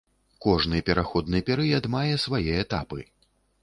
Кожны пераходны перыяд мае свае этапы.